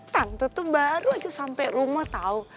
tante tuh baru aja sampe rumah tau